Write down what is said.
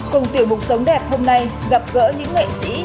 cùng tiểu mục sống đẹp hôm nay gặp gỡ những nghệ sĩ